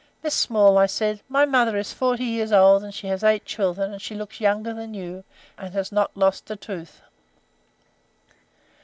'Miss Small,' I said, 'my mother is forty years old, and she has eight children, and she looks younger than you do, and has not lost a tooth.'